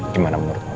gimana menurut kamu